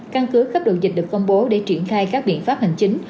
căn cứ khắp độ dịch được công bố để triển khai các biện pháp hành chính